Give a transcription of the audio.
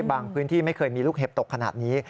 บางพื้นที่ไม่เคยมีลูกเห็บตกขนาดนี้